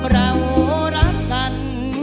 เรารักกัน